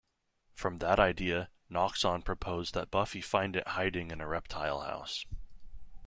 From that idea, Noxon proposed that Buffy find it hiding in a reptile house.